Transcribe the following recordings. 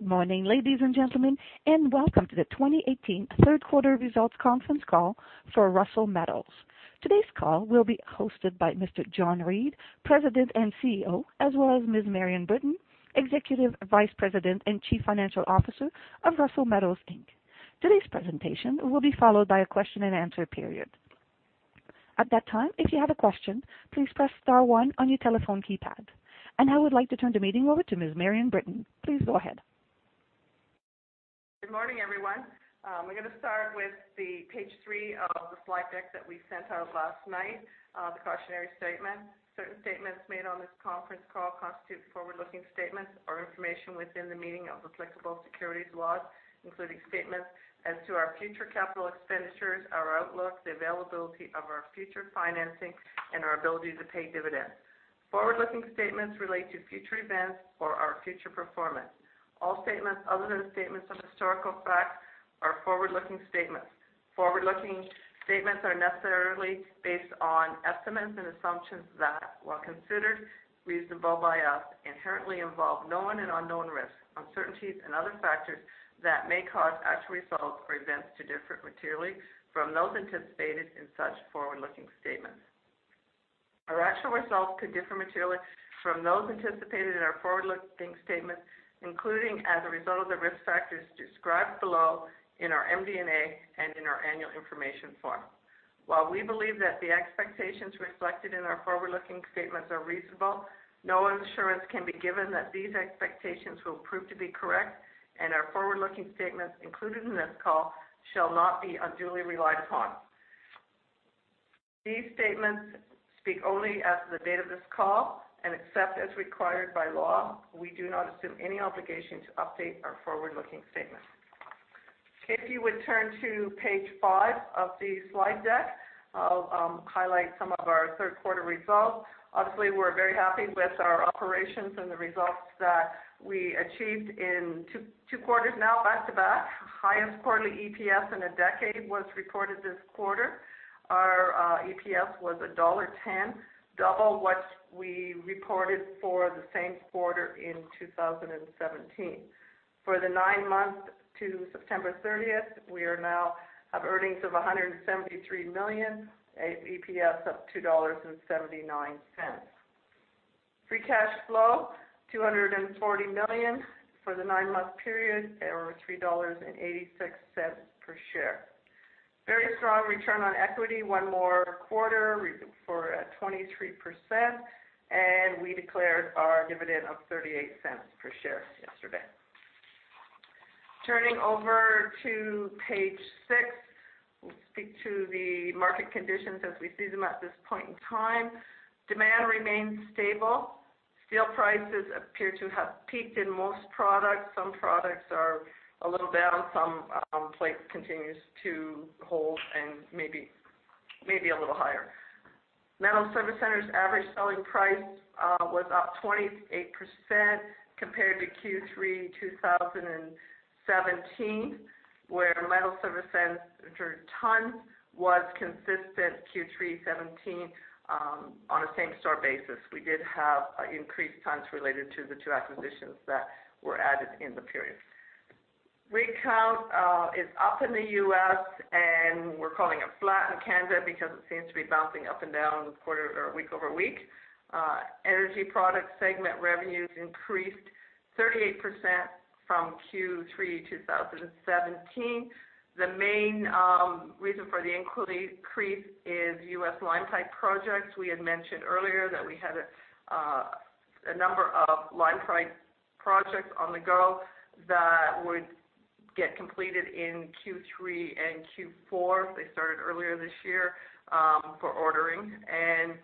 Good morning, ladies and gentlemen, welcome to the 2018 third quarter results conference call for Russel Metals. Today's call will be hosted by Mr. John Reid, President and CEO, as well as Ms. Marion Britton, Executive Vice President and Chief Financial Officer of Russel Metals Inc. Today's presentation will be followed by a question-and-answer period. At that time, if you have a question, please press star one on your telephone keypad. I would like to turn the meeting over to Ms. Marion Britton. Please go ahead. Good morning, everyone. We're going to start with the Page 3 of the slide deck that we sent out last night, the cautionary statement. Certain statements made on this conference call constitute forward-looking statements or information within the meaning of applicable securities laws, including statements as to our future capital expenditures, our outlook, the availability of our future financing, and our ability to pay dividends. Forward-looking statements relate to future events or our future performance. All statements other than statements of historical fact are forward-looking statements. Forward-looking statements are necessarily based on estimates and assumptions that, while considered reasonable by us, inherently involve known and unknown risks, uncertainties and other factors that may cause actual results or events to differ materially from those anticipated in such forward-looking statements. Our actual results could differ materially from those anticipated in our forward-looking statements, including as a result of the risk factors described below in our MD&A and in our annual information form. While we believe that the expectations reflected in our forward-looking statements are reasonable, no assurance can be given that these expectations will prove to be correct. Our forward-looking statements included in this call shall not be unduly relied upon. These statements speak only as of the date of this call, except as required by law, we do not assume any obligation to update our forward-looking statements. If you would turn to Page 5 of the slide deck, I'll highlight some of our third quarter results. Obviously, we're very happy with our operations and the results that we achieved in two quarters now back-to-back. Highest quarterly EPS in a decade was reported this quarter. Our EPS was dollar 1.10, double what we reported for the same quarter in 2017. For the nine months to September 30th, we now have earnings of 173 million, EPS of 2.79 dollars. Free cash flow, 240 million for the nine-month period, or 3.86 dollars per share. Very strong return on equity, one more quarter for at 23%, and we declared our dividend of 0.38 per share yesterday. Turning over to Page 6, we'll speak to the market conditions as we see them at this point in time. Demand remains stable. Steel prices appear to have peaked in most products. Some products are a little down. Some plate continues to hold and maybe a little higher. Metal service centers average selling price was up 28% compared to Q3 2017, where metal service center tons was consistent Q3 2017, on a same store basis. We did have increased tons related to the 2 acquisitions that were added in the period. Rig count is up in the U.S. and we're calling it flat in Canada because it seems to be bouncing up and down quarter or week-over-week. Energy product segment revenues increased 38% from Q3 2017. The main reason for the increase is U.S. line pipe projects. We had mentioned earlier that we had a number of line pipe projects on the go that would get completed in Q3 and Q4. They started earlier this year, for ordering, and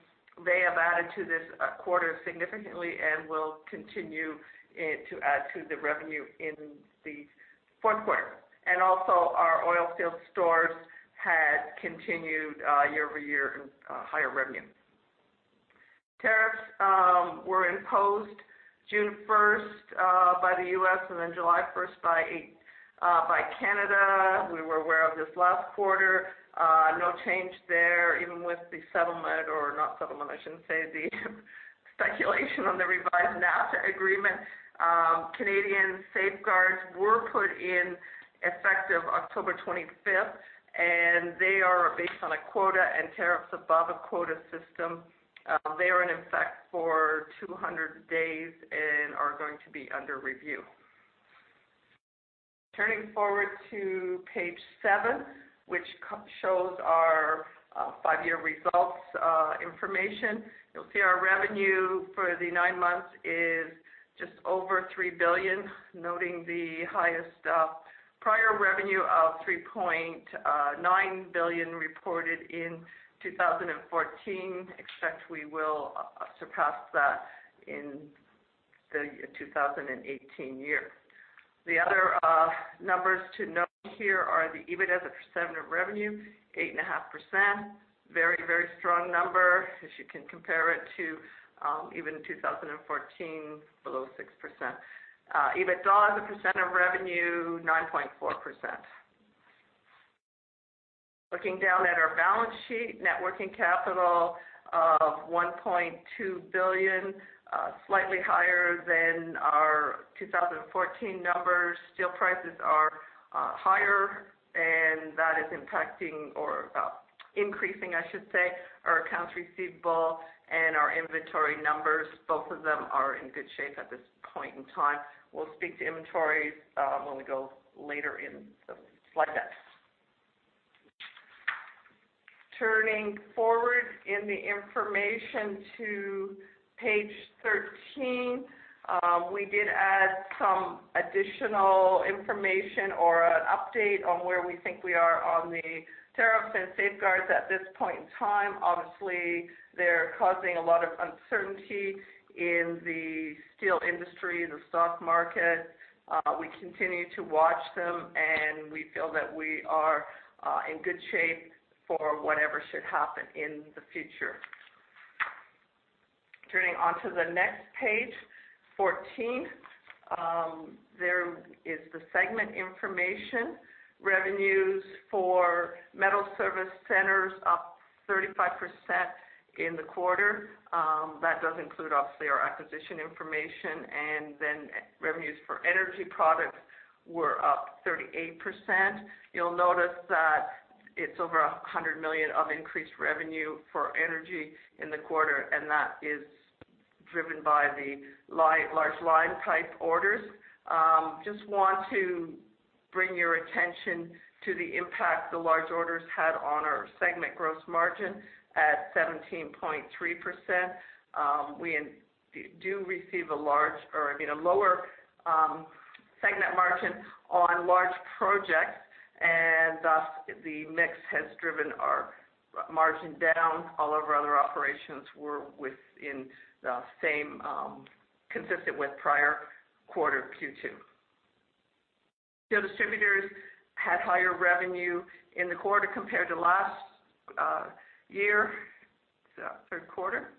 they have added to this quarter significantly and will continue to add to the revenue in the fourth quarter. Also our oilfield stores had continued year-over-year higher revenue. Tariffs were imposed June 1st by the U.S. then July 1st by Canada. We were aware of this last quarter. No change there, even with the settlement, or not settlement I shouldn't say, the speculation on the revised NAFTA agreement. Canadian safeguards were put in effective October 25th, they are based on a quota and tariffs above a quota system. They are in effect for 200 days and are going to be under review. Turning forward to Page 7, which shows our five-year results information. You'll see our revenue for the 9 months is just over 3 billion, noting the highest prior revenue of 3.9 billion reported in 2014. Expect we will surpass that in the 2018 year. The other numbers to note here are the EBIT as a % of revenue, 8.5%. Very, very strong number if you can compare it to even 2014, below 6%. EBITDA as a % of revenue, 9.4%. Looking down at our balance sheet, net working capital of 1.2 billion, slightly higher than our 2014 numbers. Steel prices are higher, that is impacting or increasing, I should say, our accounts receivable and our inventory numbers. Both of them are in good shape at this point in time. We'll speak to inventories when we go later in the slide deck. Turning forward in the information to Page 13, we did add some additional information or an update on where we think we are on the tariffs and safeguards at this point in time. Obviously, they're causing a lot of uncertainty in the steel industry, the stock market. We continue to watch them, we feel that we are in good shape for whatever should happen in the future. Turning onto the next Page, 14. There is the segment information. Revenues for metal service centers up 35% in the quarter. That does include, obviously, our acquisition information, revenues for energy products were up 38%. You'll notice that it's over 100 million of increased revenue for energy in the quarter, that is driven by the large line pipe orders. Just want to bring your attention to the impact the large orders had on our segment gross margin at 17.3%. We do receive a lower segment margin on large projects, thus, the mix has driven our margin down. All of our other operations were consistent with the prior quarter, Q2. Steel distributors had higher revenue in the quarter compared to last year, third quarter.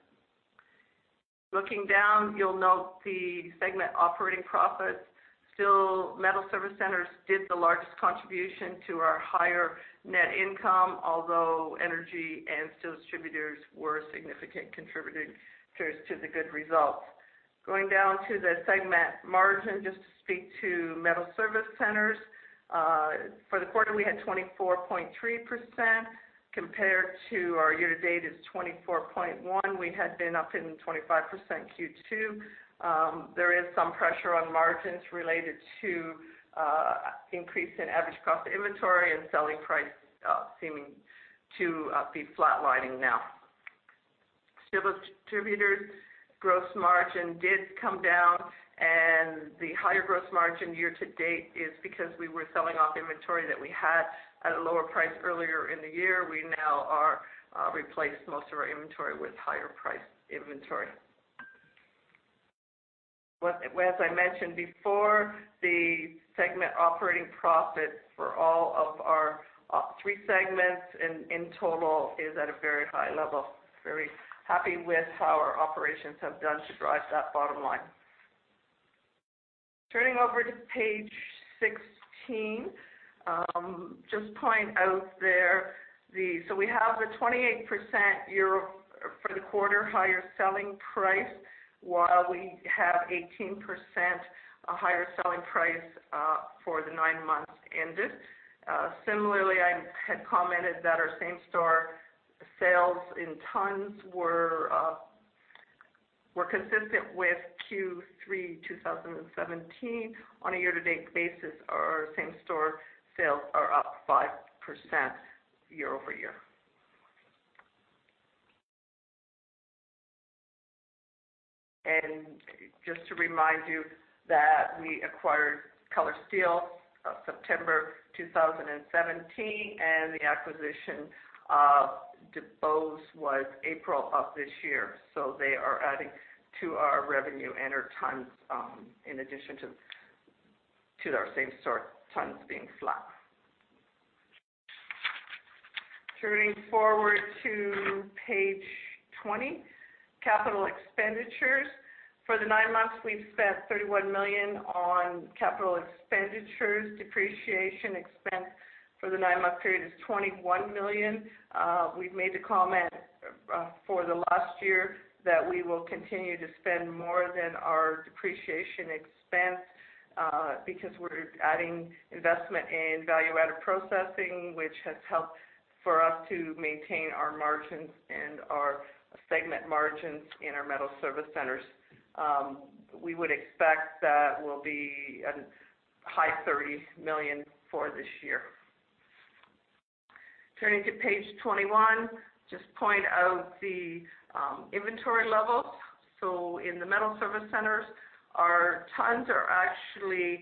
Looking down, you'll note the segment operating profits. Steel metal service centers did the largest contribution to our higher net income, although energy and steel distributors were significant contributors to the good results. Going down to the segment margin, just to speak to metal service centers. For the quarter, we had 24.3% compared to our year-to-date is 24.1%. We had been up in 25% Q2. There is some pressure on margins related to increase in average cost of inventory and selling price seeming to be flatlining now. Steel distributors' gross margin did come down, and the higher gross margin year-to-date is because we were selling off inventory that we had at a lower price earlier in the year. We now have replaced most of our inventory with higher price inventory. As I mentioned before, the segment operating profit for all of our three segments in total is at a very high level. Very happy with how our operations have done to drive that bottom line. Turning over to Page 16. Just point out there, we have the 28% for the quarter higher selling price while we have 18% higher selling price for the nine months ended. Similarly, I had commented that our same store sales in tons were consistent with Q3 2017. On a year-to-date basis, our same store sales are up 5% year-over-year. Just to remind you that we acquired Color Steels September 2017, and the acquisition of DuBose was April of this year. They are adding to our revenue and our tons in addition to our same store tons being flat. Turning forward to Page 20, capital expenditures. For the nine months, we've spent 31 million on capital expenditures. Depreciation expense for the nine-month period is 21 million. We've made the comment for the last year that we will continue to spend more than our depreciation expense, because we're adding investment in value-added processing, which has helped for us to maintain our margins and our segment margins in our metal service centers. We would expect that we'll be at a high 30 million for this year. Turning to Page 21, just point out the inventory levels. In the metal service centers, our tons are actually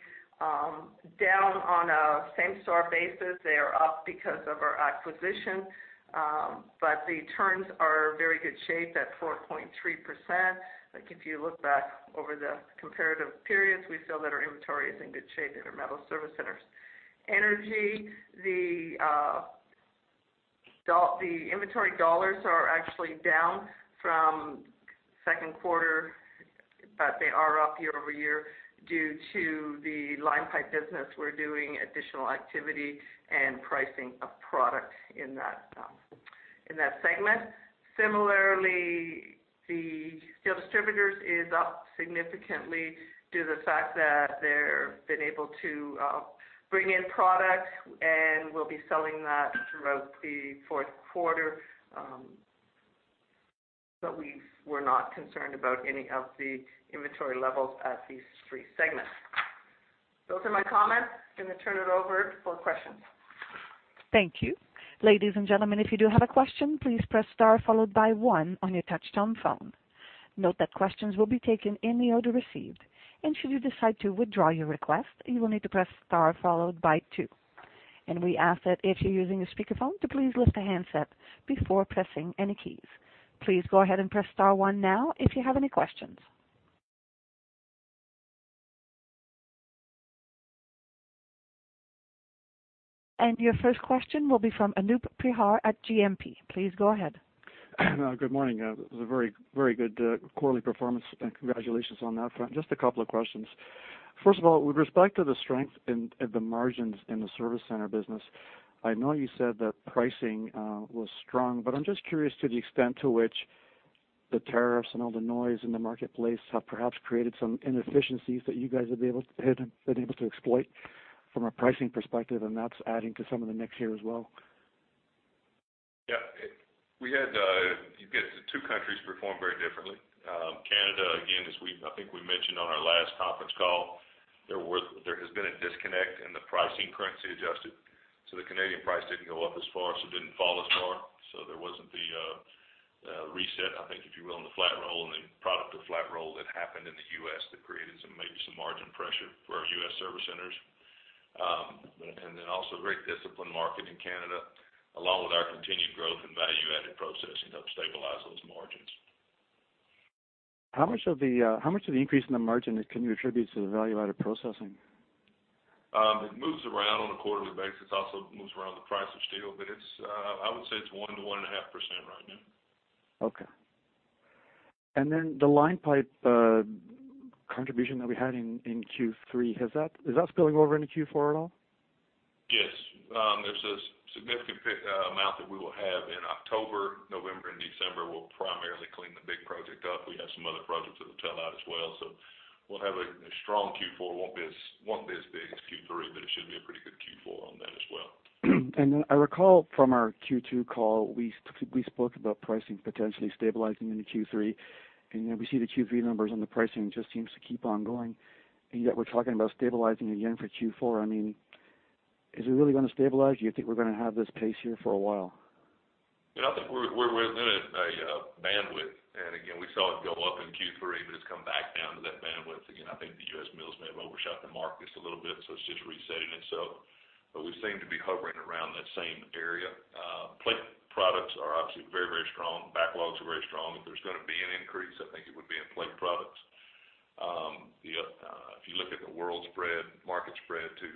down on a same store basis. They are up because of our acquisition. The turns are in very good shape at 4.3%. If you look back over the comparative periods, we feel that our inventory is in good shape in our metal service centers. Energy, the inventory dollars are actually down from second quarter. They are up year-over-year due to the line pipe business. We're doing additional activity and pricing of product in that segment. Similarly, the steel distributors is up significantly due to the fact that they're been able to bring in product, and we'll be selling that throughout the fourth quarter. We were not concerned about any of the inventory levels at these three segments. Those are my comments. I'm going to turn it over for questions. Thank you. Ladies and gentlemen, if you do have a question, please press star followed by one on your touch-tone phone. Note that questions will be taken in the order received. Should you decide to withdraw your request, you will need to press star followed by two. We ask that if you're using a speakerphone, to please lift the handset before pressing any keys. Please go ahead and press star one now if you have any questions. Your first question will be from Anoop Prihar at GMP. Please go ahead. Good morning. It was a very good quarterly performance, congratulations on that front. Just a couple of questions. First of all, with respect to the strength in the margins in the service center business, I know you said that pricing was strong, I'm just curious to the extent to which the tariffs and all the noise in the marketplace have perhaps created some inefficiencies that you guys have been able to exploit from a pricing perspective, that's adding to some of the mix here as well. Yeah. You get two countries perform very differently. Canada, again, I think we mentioned on our last conference call, there has been a disconnect in the pricing, currency adjusted. The Canadian price didn't go up as far, it didn't fall as far. There wasn't the reset, I think, if you will, on the flat roll and the product of flat roll that happened in the U.S. that created maybe some margin pressure for our U.S. service centers. Then also very disciplined market in Canada, along with our continued growth and value-added processing helped stabilize those margins. How much of the increase in the margin can you attribute to the value-added processing? It moves around on a quarterly basis. It also moves around the price of steel. I would say it's 1%-1.5% right now. Okay. The line pipe contribution that we had in Q3, is that spilling over into Q4 at all? Yes. There's a significant amount that we will have in October, November, and December. We'll primarily clean the big project up. We have some other projects that will tail out as well. We'll have a strong Q4. It won't be as big as Q3, but it should be a pretty good Q4 on that as well. I recall from our Q2 call, we spoke about pricing potentially stabilizing into Q3. We see the Q3 numbers on the pricing just seems to keep on going, yet we're talking about stabilizing again for Q4. Is it really going to stabilize? Do you think we're going to have this pace here for a while? I think we're within a bandwidth. Again, we saw it go up in Q3, it's come back down to that bandwidth again. I think the U.S. mills may have overshot the mark just a little bit, it's just resetting itself. We seem to be hovering around that same area. Plate products are obviously very strong. Backlogs are very strong. If there's going to be an increase, I think it would be in plate products. If you look at the world spread, market spread to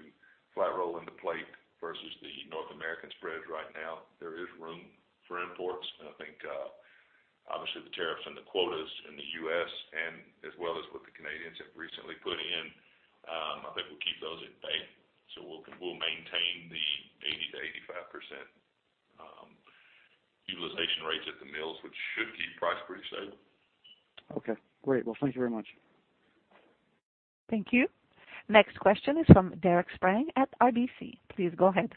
flat roll into plate versus the North American spread right now, there is room for imports. I think, obviously, the tariffs and the quotas in the U.S. as well as what the Canadians have recently put in, I think will keep those at bay. We'll maintain the 80%-85% utilization rates at the mills, which should keep price pretty stable. Okay, great. Thank you very much. Thank you. Next question is from Derek Sprang at RBC. Please go ahead.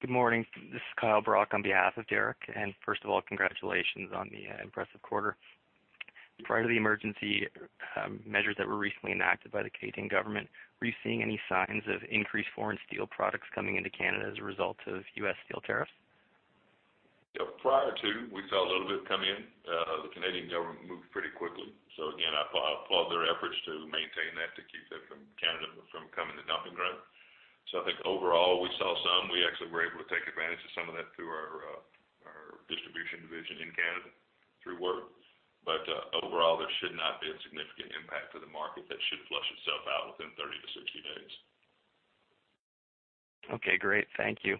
Good morning. This is Kyle Brock on behalf of Derek Sprang. First of all, congratulations on the impressive quarter. Prior to the emergency measures that were recently enacted by the Canadian government, were you seeing any signs of increased foreign steel products coming into Canada as a result of U.S. steel tariffs? Prior to, we saw a little bit come in. The Canadian government moved pretty quickly. Again, I applaud their efforts to maintain that, to keep that from Canada, from becoming a dumping ground. I think overall, we saw some. We actually were able to take advantage of some of that through our distribution division in Canada through work. Overall, there should not be a significant impact to the market. That should flush itself out within 30-60 days. Okay, great. Thank you.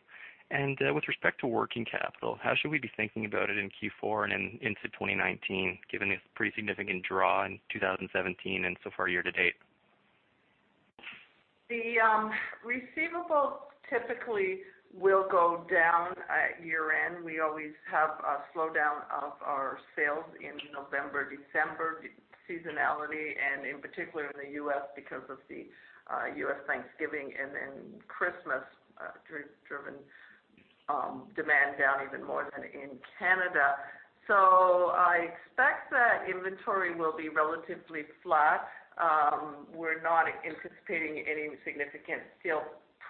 With respect to working capital, how should we be thinking about it in Q4 and into 2019, given the pretty significant draw in 2017 and so far year to date? The receivables typically will go down at year-end. We always have a slowdown of our sales in November, December, seasonality, in particular in the U.S. because of the U.S. Thanksgiving and Christmas driven demand down even more than in Canada. I expect that inventory will be relatively flat. We are not anticipating any significant steel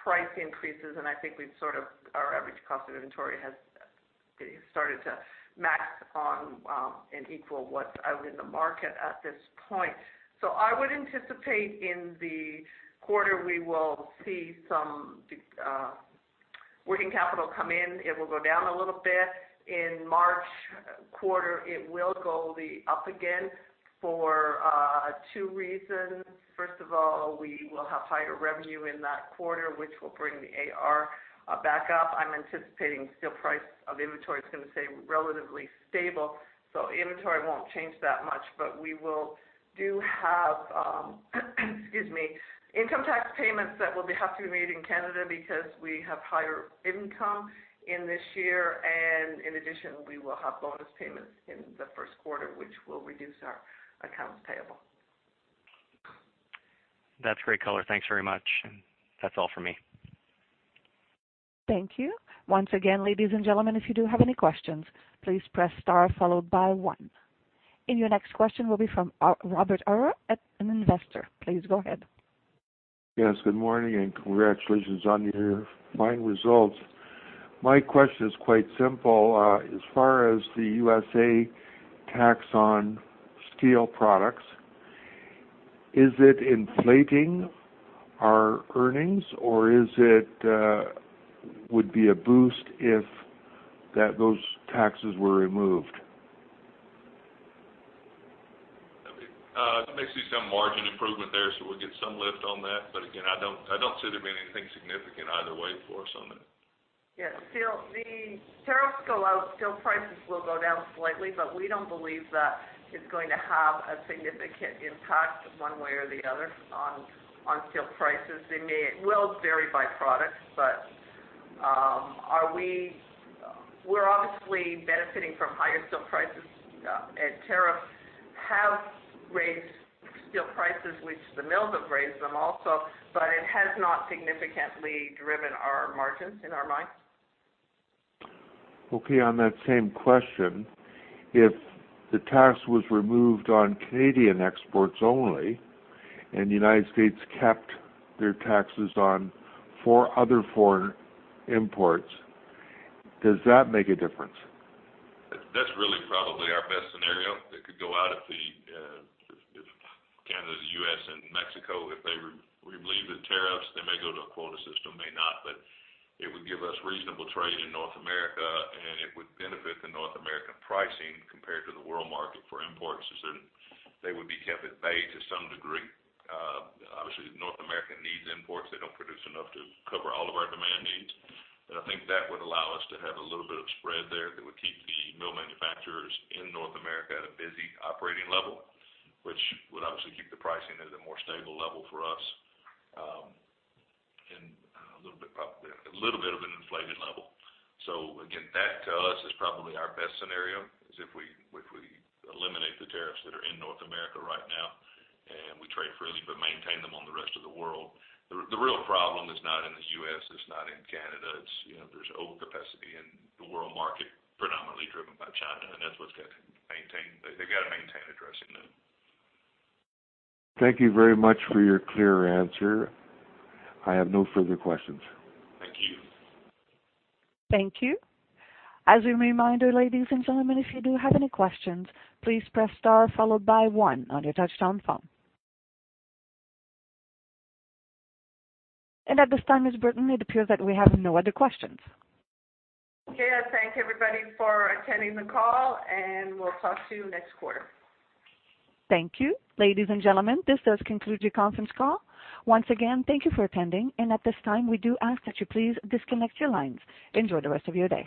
price increases. I think our average cost of inventory has started to match on and equal what is out in the market at this point. I would anticipate in the quarter, we will see some working capital come in. It will go down a little bit. In March quarter, it will go up again for two reasons. First of all, we will have higher revenue in that quarter, which will bring the AR back up. I am anticipating steel price of inventory is going to stay relatively stable. Inventory won't change that much, but we will, excuse me, have income tax payments that will have to be made in Canada because we have higher income in this year. In addition, we will have bonus payments in the first quarter, which will reduce our accounts payable. That's great color. Thanks very much. That's all for me. Thank you. Once again, ladies and gentlemen, if you do have any questions, please press star followed by one. Your next question will be from Robert Arra at Investor. Please go ahead. Yes, good morning and congratulations on your fine results. My question is quite simple. As far as the USA tax on steel products, is it inflating our earnings or would it be a boost if those taxes were removed? There may see some margin improvement there. We'll get some lift on that. Again, I don't see there being anything significant either way for us on it. Yeah. If the tariffs go out, steel prices will go down slightly, but we don't believe that is going to have a significant impact one way or the other on steel prices. It will vary by product, but, we're obviously benefiting from higher steel prices, and tariffs have raised steel prices, which the mills have raised them also, but it has not significantly driven our margins in our minds. Okay, on that same question, if the tax was removed on Canadian exports only and United States kept their taxes on other foreign imports, does that make a difference? That's really probably our best scenario. It could go out of Canada, U.S., and Mexico, if they relieve the tariffs. They may go to a quota system, may not, but it would give us reasonable trade in North America, and it would benefit the North American pricing compared to the world market for imports as in they would be kept at bay to some degree. Obviously, North America needs imports. They don't produce enough to cover all of our demand needs. I think that would allow us to have a little bit of spread there that would keep the mill manufacturers in North America at a busy operating level, which would obviously keep the pricing at a more stable level for us. A little bit of an inflated level. Again, that to us, is probably our best scenario, is if we eliminate the tariffs that are in North America right now and we trade freely but maintain them on the rest of the world. The real problem is not in the U.S.; it's not in Canada. There's overcapacity in the world market, predominantly driven by China, and that's what they've got to maintain addressing them. Thank you very much for your clear answer. I have no further questions. Thank you. Thank you. As a reminder, ladies and gentlemen, if you do have any questions, please press star followed by one on your touchtone phone. At this time, Ms. Britton, it appears that we have no other questions. Okay. I thank everybody for attending the call, and we'll talk to you next quarter. Thank you. Ladies and gentlemen, this does conclude your conference call. Once again, thank you for attending. At this time, we do ask that you please disconnect your lines. Enjoy the rest of your day.